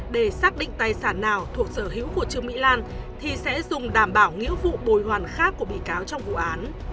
để xác định tài sản nào thuộc sở hữu của trương mỹ lan thì sẽ dùng đảm bảo nghĩa vụ bồi hoàn khác của bị cáo trong vụ án